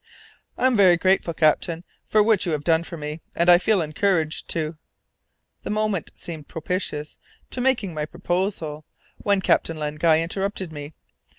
"I am very grateful, captain, for what you have done for me, and I feel encouraged to " The moment seemed propitious to my making my proposal, when Captain Len Guy interrupted me.